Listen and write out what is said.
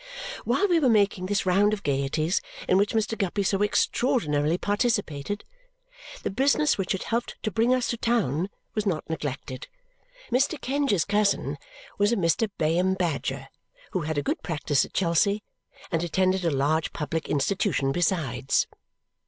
While we were making this round of gaieties, in which Mr. Guppy so extraordinarily participated, the business which had helped to bring us to town was not neglected. Mr. Kenge's cousin was a Mr. Bayham Badger, who had a good practice at Chelsea and attended a large public institution besides.